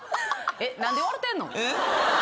えっ何で笑うてんの？